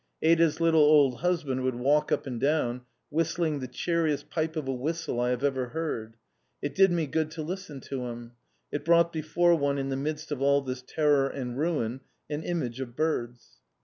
Ada's little old husband would walk up and down, whistling the cheeriest pipe of a whistle I have ever heard. It did me good to listen to him. It brought before one in the midst of all this terror and ruin an image of birds.